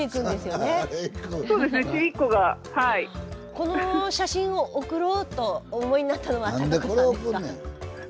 この写真を送ろうとお思いになったのは貴子さんですか？